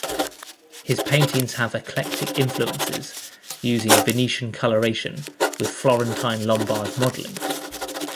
His paintings have eclectic influences using Venetian coloration with Florentine-Lombard modeling.